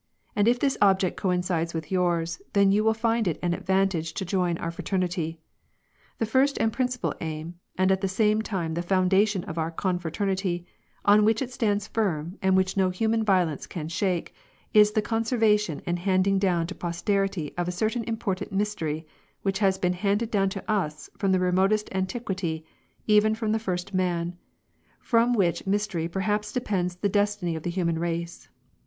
" And if this object coincides with yours, then you will find it an advantage to join our fraternity. The first and principal aim, and at the same time the foundation of our Confraternity, on which it stands firm, and which no human violence can shake, is the conservation and handing down to posterity of a certain important mystery, which has been handed down to us from the remotest antiquity, even from the first man, from which mystery perhaps depends the destiny of the human race.